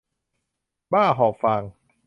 บ้าหอบฟาง